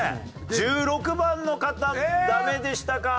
１６番の方ダメでしたか？